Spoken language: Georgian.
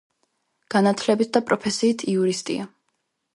განათლებით და პროფესიით იურისტია.